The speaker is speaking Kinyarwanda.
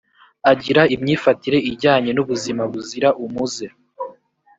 agira imyifatire ijyanye n’ubuzima buzira umuze